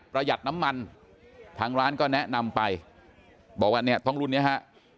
หัดน้ำมันทางร้านก็แนะนำไปบอกว่าเนี่ยต้องรุ่นนี้ฮะ